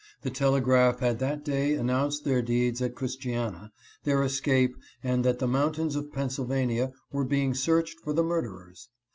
The telegraph had that day announced their deeds at Christiana, their escape, and that the mountains of Pennsylvania were being searched for the murderers.